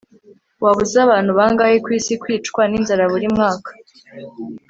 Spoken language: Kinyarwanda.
waba uzi abantu bangahe kwisi kwicwa ninzara buri mwaka